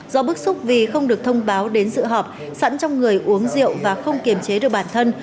do bức xúc vì không được thông báo đến dự họp sẵn trong người uống rượu và không kiềm chế được bản thân